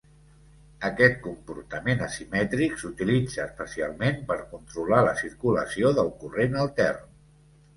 Aquest comportament asimètric s'utilitza especialment per controlar la circulació del corrent altern.